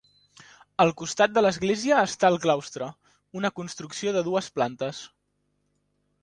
Al costat de l'església està el claustre, una construcció de dues plantes.